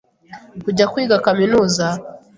kujya kwiga kaminuza,